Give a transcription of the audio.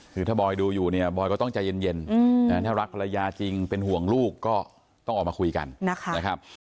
คือถ้าบอยดูอยู่เนี่ยบอยก็ต้องใจเย็นถ้ารักภรรยาจริงเป็นห่วงลูกก็ต้องออกมาคุยกันนะครับ